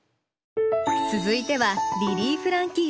続いてはリリー・フランキーさん。